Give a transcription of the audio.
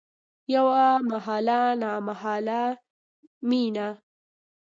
یوه محاله نامحاله میینه